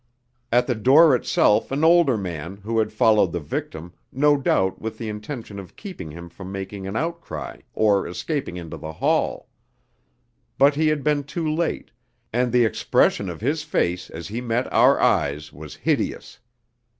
At the door itself an older man, who had followed the victim, no doubt with the intention of keeping him from making an outcry or escaping into the hall. But he had been too late, and the expression of his face as he met our eyes was hideous.